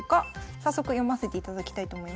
早速読ませていただきたいと思います。